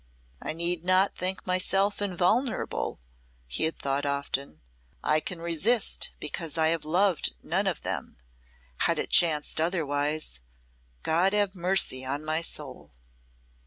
"I need not think myself invulnerable," he had thought often. "I can resist because I have loved none of them. Had it chanced otherwise God have mercy on my soul!"